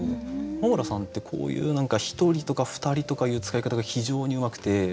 穂村さんってこういう何か「ひとり」とか「ふたり」とかいう使い方が非常にうまくて。